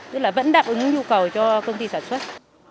tức là vẫn đáp ứng nhu cầu cho công ty sản xuất